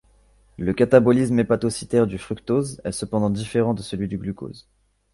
Le catabolisme hépatocytaire du fructose est cependant différent de celui du glucose.